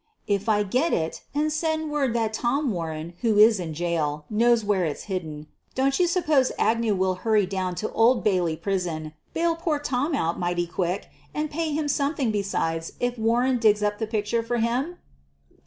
"If I get it and send word that Tom Warren, who is in jail, knows where it's hidden — don't you suppose Agnew will hurry down to Old Bailey Prison, bail poor Tom out mighty quick, and pay him something besides if Warren digs up the picture for him!"